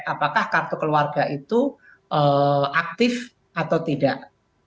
apakah kartu keluarga itu aktif atau tidak